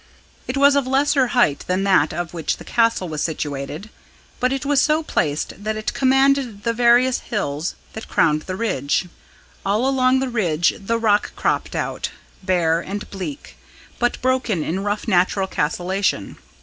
It was of lesser height than that on which the Castle was situated; but it was so placed that it commanded the various hills that crowned the ridge. All along the ridge the rock cropped out, bare and bleak, but broken in rough natural castellation.